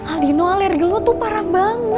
aldino alergi lo tuh parah banget